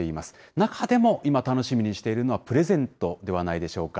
中でも今、楽しみにしているのはプレゼントではないでしょうか。